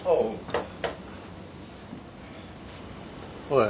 ・おい